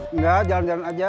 enggak jalan jalan aja